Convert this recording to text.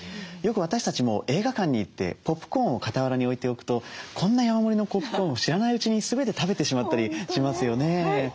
よく私たちも映画館に行ってポップコーンを傍らに置いておくとこんな山盛りのポップコーンを知らないうちに全て食べてしまったりしますよね。